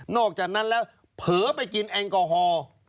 อกจากนั้นแล้วเผลอไปกินแอลกอฮอล์